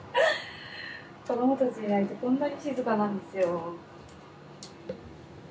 子どもたちいないとこんなに静かなんですよ。